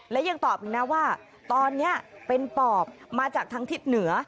และยังตอบอีกนะว่าตอนนี้เป็นปอบมาจากทางทิศเหนือ